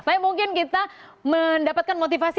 tapi mungkin kita mendapatkan motivasi